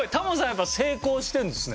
やっぱ成功してるんですね。